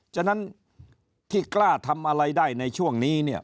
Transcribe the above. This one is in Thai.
ฉะนั้นที่กล้าทำอะไรได้ในช่วงนี้เนี่ย